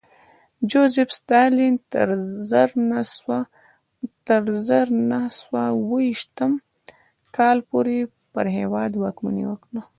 جوزېف ستالین تر زر نه سوه اوه ویشت کال پورې پر هېواد واکمني وکړه